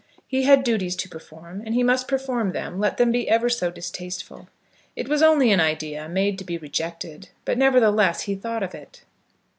He had duties to perform, and he must perform them, let them be ever so distasteful. It was only an idea, made to be rejected; but, nevertheless, he thought of it.